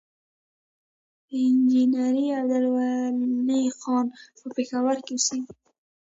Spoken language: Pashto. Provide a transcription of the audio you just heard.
انجينير عبدالولي خان پۀ پېښور کښې اوسيږي،